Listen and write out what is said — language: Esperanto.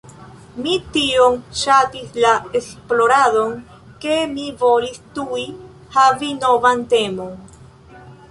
Mi tiom ŝatis la esploradon, ke mi volis tuj havi novan temon.